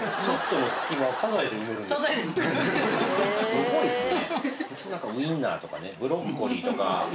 すごいっすね。